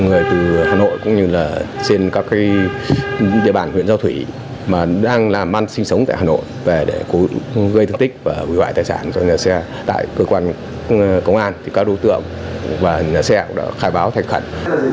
người từ hà nội cũng như là trên các cái địa bàn huyện giao thủy mà đang làm ăn sinh sống tại hà nội để gây thương tích và gọi tài sản cho nhà xe tại cơ quan công an thì các đối tượng và nhà xe đã khai báo thành khẩn